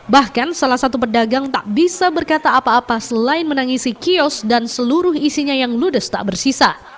bahkan salah satu pedagang tak bisa berkata apa apa selain menangisi kios dan seluruh isinya yang ludes tak bersisa